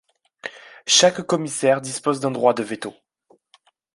Chaque commissaire dispose d'un droit de veto.